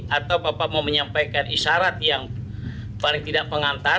atau bapak mau menyampaikan isyarat yang paling tidak pengantar